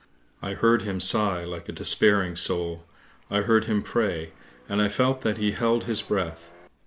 I heard him sigh like a despair ing soul, I heard him pray, and I felt that he held his breath.